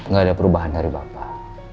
gak ada perubahan dari bapak